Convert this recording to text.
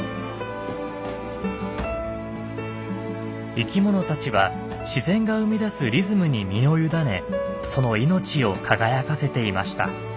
生きものたちは自然が生み出すリズムに身をゆだねその命を輝かせていました。